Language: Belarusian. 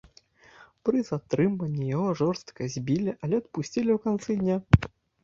Пры затрыманні яго жорстка збілі, але адпусцілі ў канцы дня.